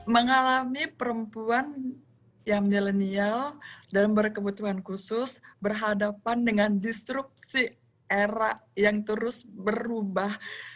mengalami perempuan yang milenial dan berkebutuhan khusus berhadapan dengan disrupsi era yang terus berubah